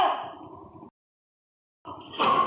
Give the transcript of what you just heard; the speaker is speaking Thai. โชว์